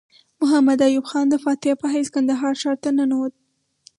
محمد ایوب خان د فاتح په حیث کندهار ښار ته ننوت.